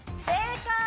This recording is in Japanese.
正解！